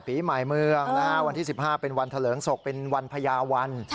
ปีใหม่เมืองวันที่๑๕เป็นวันเถลิงศพเป็นวันพญาวัน